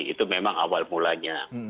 itu memang awal mulanya